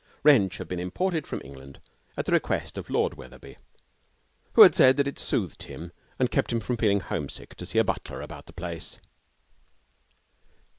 Wrench had been imported from England at the request of Lord Wetherby, who had said that it soothed him and kept him from feeling home sick to see a butler about the place.